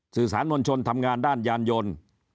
สื่อสารมวลชนทำงานด้านยานยนต์